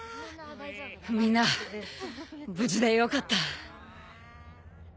みんな無事でよかった。